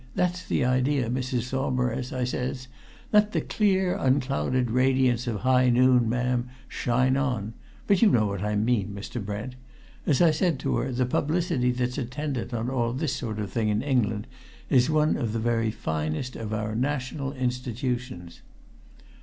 that's the idea, Mrs. Saumarez!' I says. 'Let the clear, unclouded radiance of high noon, ma'am, shine on' but you know what I mean, Mr. Brent. As I said to her, the publicity that's attendant on all this sort of thing in England is one of the very finest of our national institutions.